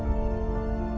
saya tidak tahu